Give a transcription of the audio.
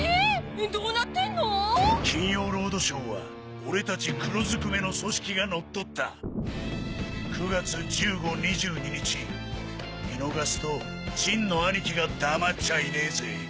どうなってんの⁉『金曜ロードショー』は俺たち黒ずくめの組織が乗っ取った見逃すとジンの兄貴が黙っちゃいねえぜ